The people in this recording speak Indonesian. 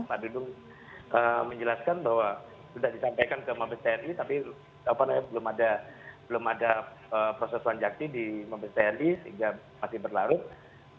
pak dudung menjelaskan bahwa sudah disampaikan ke mabes tni tapi belum ada proses wanjakti di mabes tni sehingga masih berlarut